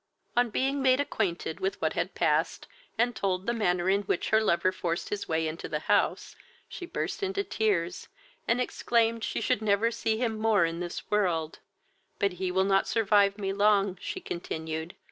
On being made acquainted with what had passed, and told the manner in which her lover forced his way into the house, she burst into tears, and exclaimed, she should never see him more in this world; "but he will not survive me long, (she continued.)